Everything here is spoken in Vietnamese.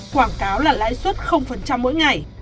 quảng cáo là lãi suất mỗi ngày